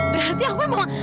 berarti aku emang